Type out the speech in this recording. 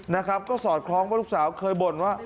นะครับก็สอดคล้องว่าลูกสาวเคยบ่นว่า